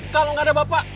kalau nggak ada bapak